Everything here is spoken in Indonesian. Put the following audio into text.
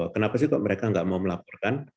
kenapa sih kok mereka nggak mau melaporkan